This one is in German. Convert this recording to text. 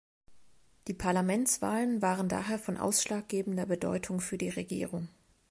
Die Parlamentswahlen waren daher von ausschlaggebender Bedeutung für die Regierung.